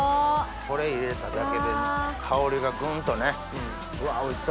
これ入れただけで香りがぐんとねうわおいしそう。